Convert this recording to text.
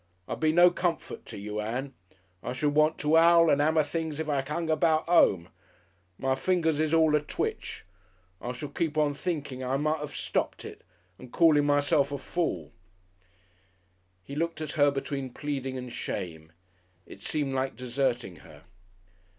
I'd be no comfort to you, Ann. I should want to 'owl and 'ammer things if I 'ung about 'ome. My fingers is all atwitch. I shall keep on thinking 'ow I might 'ave stopped it and callin' myself a fool."... He looked at her between pleading and shame. It seemed like deserting her.